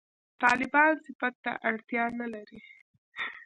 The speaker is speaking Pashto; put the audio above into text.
«طالبان» صفت ته اړتیا نه لري.